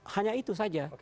hanya itu saja